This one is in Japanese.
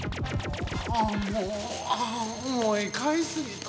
あもうあおもいかいすぎた。